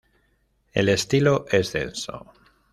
El estilo es denso.